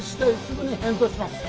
すぐに返答します